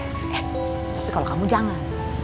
eh tapi kalo kamu jangan